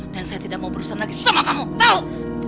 dan saya tidak mau berusaha lagi sama kamu tahu